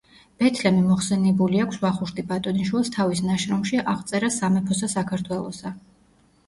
ბეთლემი მოხსენიებული აქვს ვახუშტი ბატონიშვილს თავის ნაშრომში „აღწერა სამეფოსა საქართველოსა“.